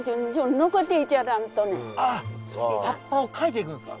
あっ葉っぱをかいていくんですか？